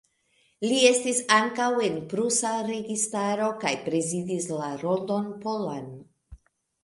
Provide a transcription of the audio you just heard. Li estis ankaŭ en prusa registaro kaj prezidis la Rondon Polan.